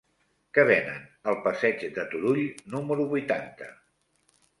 Què venen al passeig de Turull número vuitanta?